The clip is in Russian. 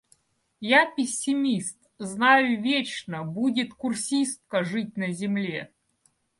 Я – пессимист, знаю — вечно будет курсистка жить на земле.